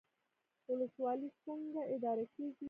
ولسوالۍ څنګه اداره کیږي؟